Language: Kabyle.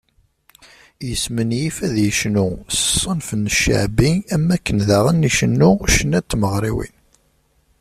Yesmenyif ad yecnu s ṣṣenf n cceɛbi, am wakken daɣen icennu ccna n tmeɣriwin.